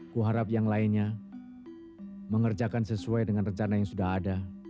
kuharap yang lainnya mengerjakan sesuai dengan rencana yang sudah ada